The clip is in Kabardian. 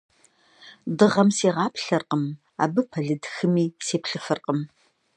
Дыгъэм сигъаплъэркъым, абы пэлыд хыми сеплъыфыркъым.